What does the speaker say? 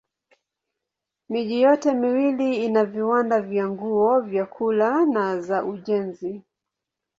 Miji yote miwili ina viwanda vya nguo, vyakula na za ujenzi.